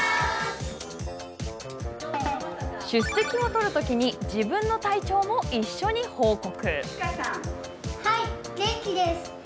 出席を取るときに自分の体調も一緒に報告。